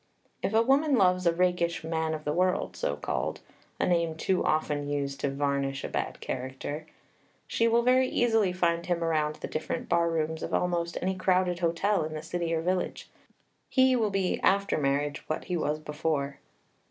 If a woman loves a rakish "man of the world," so called, a name too often used to varnish a bad character, she will very easily find him around the different bar rooms of almost any crowded hotel in the city or village. He will be after marriage what he was before.